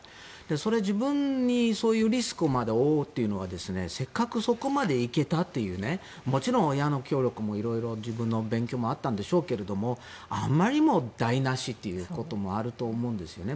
それは自分にそういうリスクまで負うっていうのはせっかくそこまで行けたというもちろん親の協力も自分の勉強もあったんでしょうけどあまりにも台なしということもあると思うんですよね。